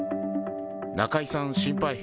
中居さん心配。